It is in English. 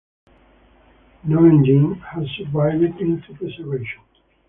No engine has survived into preservation.